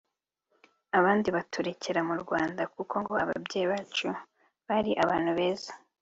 abandi baturekera mu Rwanda kuko ngo ababyeyi bacu bari abantu beza